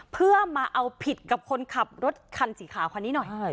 เพื่อมาเอาผิดกับคนขับรถคันสีขาวคันนี้หน่อย